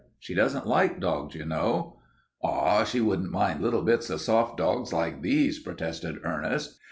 She doesn't like dogs, you know." "Aw, she wouldn't mind little bits of soft dogs like these," protested Ernest.